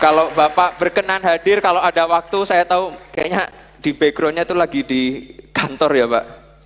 kalau bapak berkenan hadir kalau ada waktu saya tahu kayaknya di backgroundnya itu lagi di kantor ya pak